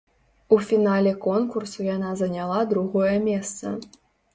У фінале конкурсу яна заняла другое месца.